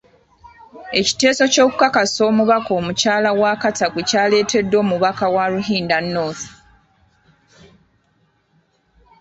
Ekiteeso ky’okukakasa omubaka omukyala wa Katakwi kyaleeteddwa omubaka wa Ruhinda North.